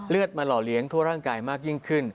เลือดมันเหล่าเลี้ยงทั่วร่างกายมากยิ่งขึ้น